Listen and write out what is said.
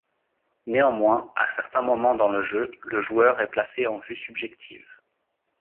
Néanmoins, à certains moments dans le jeu, le joueur est placé en vue subjective.